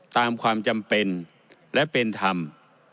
ตามความจำเป็นและเป็นธรรม